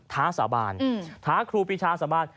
ท้าสาบานท้าครูปีชาสาบาน